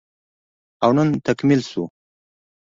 او نن تکميل شو